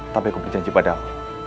tapi aku berjanji padamu